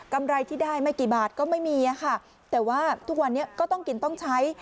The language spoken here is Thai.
ไรที่ได้ไม่กี่บาทก็ไม่มีค่ะแต่ว่าทุกวันนี้ก็ต้องกินต้องใช้